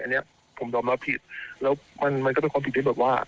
อันนี้ผมยอมรับผิดแล้วมันมันก็เป็นความผิดที่แบบว่า